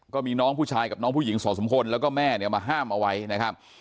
ก็มีน้องผู้ชายกับน้องผู้หญิงสองสามคนแล้วก็แม่เนี่ยมาห้ามเอาไว้นะครับ